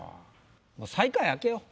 もう最下位開けよう。